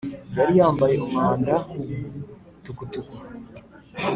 Yariyambaye umwanda tukutuku